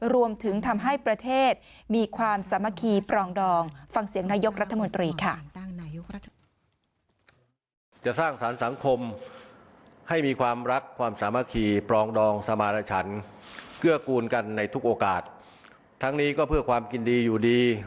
รวมถึงทำให้ประเทศมีความสามัคคีปรองดองฟังเสียงนายกรัฐมนตรีค่ะ